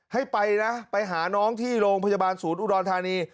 ให้ไปนะไปหาน้องที่โรงพยาบาลศูนย์อุดรธานี